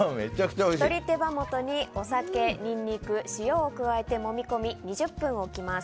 鶏手羽元にお酒、ニンニク塩を加えてもみ込み２０分置きます。